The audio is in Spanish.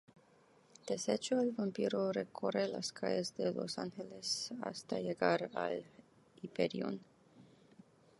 Desecho el vampiro recorre las calles de Los Angeles hasta llegar al Hyperion.